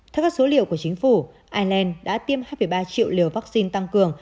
theo các số liệu của chính phủ ireland đã tiêm hai ba triệu liều vaccine tăng cường